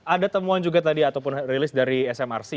ada temuan juga tadi ataupun rilis dari smrc